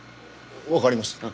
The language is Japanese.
わかりました。